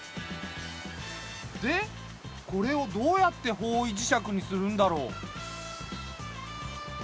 でこれをどうやって方位磁石にするんだろう？